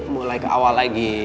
mulai ke awal lagi